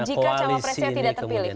jika cawapresnya tidak terpilih